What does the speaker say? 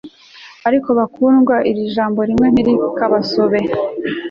ariko bakundwa iri jambo rimwe ntirikabasobe